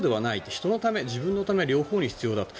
人のため、自分のため両方で必要だと。